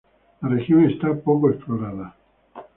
La región está poco explorada.